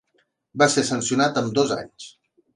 Va ser sancionat amb dos anys.